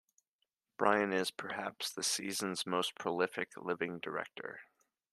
Brian is, perhaps, the season's most prolific living director.